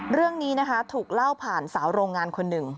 เรื่องนี้นะคะถูกเล่าผ่านสาวโรงงานคนหนึ่ง